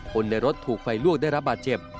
คนในรถถูกไฟลวกได้รับบาดเจ็บ